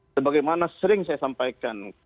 sebagaimana sering saya sampaikan